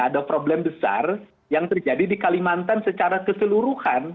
ada problem besar yang terjadi di kalimantan secara keseluruhan